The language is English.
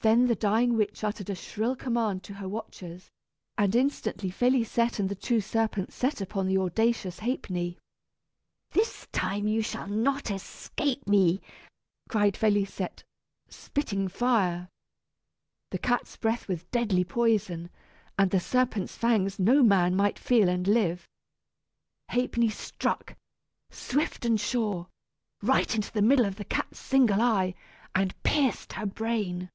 Then the dying witch uttered a shrill command to her watchers, and instantly Félisette and the two serpents set upon the audacious Ha'penny. "This time you shall not escape me!" cried Félisette, spitting fire. The cat's breath was deadly poison, and the serpents' fangs no man might feel and live. Ha'penny struck, swift and sure, right into the middle of the cat's single eye, and pierced her brain.